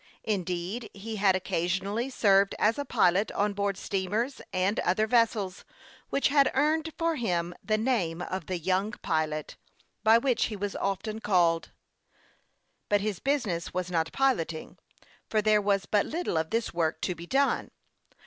Indeed, he had occasionally served as a pilot on board steamers THE YOUNG PILOT OF LAKE CHAMPLAIN. 27 and other vessels, which had earned for him the name of the Young Pilot, by which he was often called. But his business was not piloting, for there was but little of this work to be done.